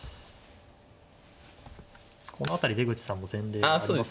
この辺り出口さんも前例がありますね。